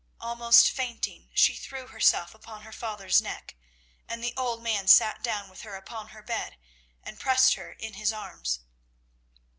Almost fainting, she threw herself upon her father's neck, and the old man sat down with her upon her bed and pressed her in his arms.